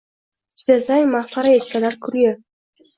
Chidasang, masxara etsalar, kulgi